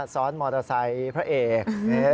ซ้อนมอเตอร์ไซค์พระเอก